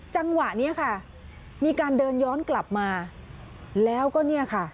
จังหวะนี้ค่ะมีการเดินย้อนกลับมาแล้วก็เนี่ยค่ะ